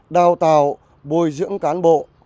đào tạo bồi dưỡng cán bộ